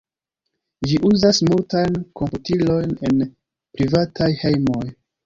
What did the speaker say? Ĝi uzas multajn komputilojn en privataj hejmoj.